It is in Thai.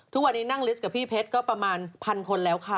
ทุกวันนี้นั่งลิสต์กับพี่เพชรก็ประมาณพันคนแล้วค่ะ